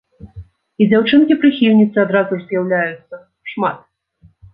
І дзяўчынкі-прыхільніцы адразу ж з'яўляюцца, шмат!